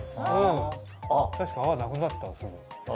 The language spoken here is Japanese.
確かに泡なくなったねすぐ。